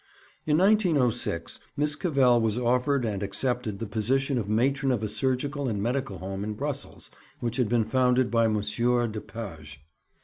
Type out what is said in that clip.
In 1906 Miss Cavell was offered and accepted the position of matron of a surgical and medical home in Brussels, which had been founded by Monsieur de Page.